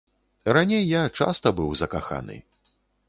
Раней я часта быў закаханы.